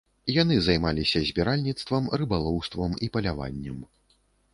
Яны займаліся збіральніцтвам, рыбалоўствам і паляваннем.